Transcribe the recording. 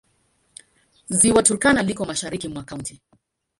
Ziwa Turkana liko mashariki mwa kaunti.